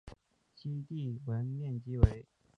西帝汶面积为。